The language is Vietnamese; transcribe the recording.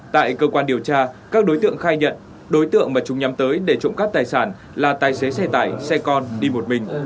tại cơ quan điều tra các đối tượng khai nhận đối tượng mà chúng nhắm tới để trộm cắp tài sản là tài xế xe tải xe con đi một mình